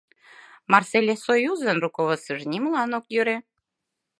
Марсельлессоюзын руководствыжо нимолан ок йӧрӧ.